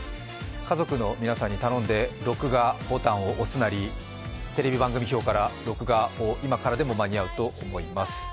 家族の皆さんに頼んで録画ボタンを押すなり、テレビ番組表から録画を今からでも間に合うと思います。